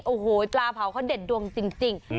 โอ้โหปลาเผาเขาเด็ดดวงจริง